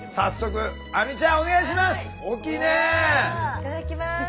いただきます。